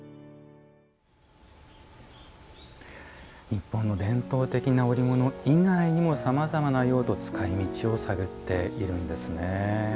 日本の伝統的な織物以外にもさまざまな用途使いみちを探っているんですね。